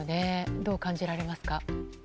どう感じられますか？